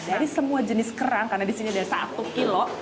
dari semua jenis kerang karena disini ada satu kilo